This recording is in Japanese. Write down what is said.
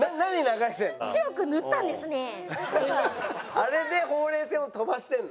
あれでほうれい線を飛ばしてるの？